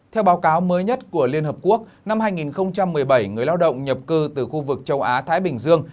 theo báo cáo mới nhất của liên hợp quốc năm hai nghìn một mươi bảy người lao động nhập cư từ khu vực châu á thái bình dương